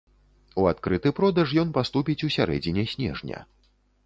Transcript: У адкрыты продаж ён паступіць у сярэдзіне снежня.